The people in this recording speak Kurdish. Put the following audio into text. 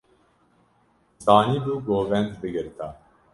Zanîbû govend bigirta.